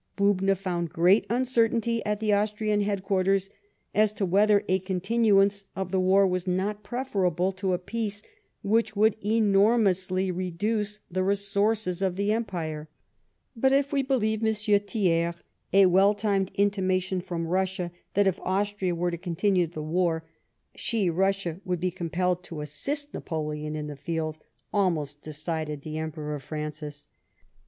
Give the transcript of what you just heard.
Bubna found great uncertainty at the Austrian headquarters as to whether a continuance of the war was not preferable to a peace which would enor mously reduce the resources of the Empire. But if we may believe M. Thiers, a well timed intimation from Russia that if Austria were to continue the war, she, Russia, would be compelled to assist Napoleon in the field, almost decided the Emperor Francis.